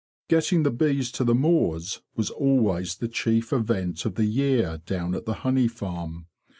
Getting the bees to the moors was always the chief event of the year down at the honey farm.